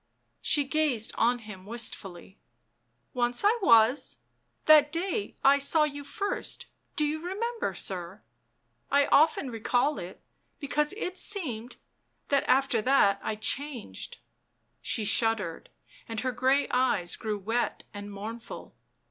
She gazed on him wistfully. " Once I was. That day I saw you first — do you remember, sir ? I often recall it because it seemed — that after that I changed " She shuddered, and her grey eyes grew wet and mournful.